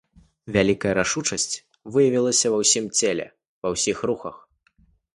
Вялікая рашучасць выявілася ва ўсім целе, ва ўсіх рухах.